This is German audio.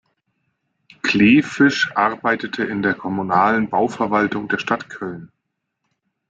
Kleefisch arbeitete in der kommunalen Bauverwaltung der Stadt Köln.